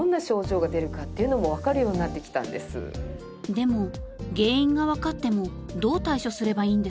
でも原因がわかってもどう対処すればいいんですかね？